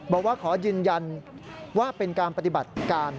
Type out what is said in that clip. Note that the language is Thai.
บอกว่าขอยืนยันว่าเป็นการปฏิบัติการ